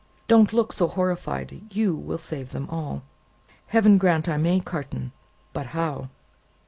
Don't look so horrified. You will save them all." "Heaven grant I may, Carton! But how?"